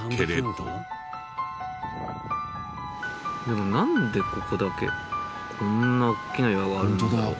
でもなんでここだけこんな大きな岩があるんだろう？